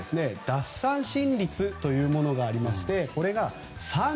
奪三振率というものがありましてこれが３５％。